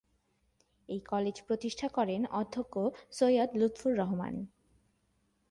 এই কলেজ প্রতিষ্ঠা করেন অধ্যক্ষ সৈয়দ লুৎফর রহমান।